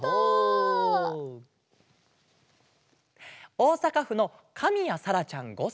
おおさかふのかみやさらちゃん５さいから。